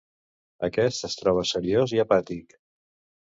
Aquest es troba seriós i apàtic.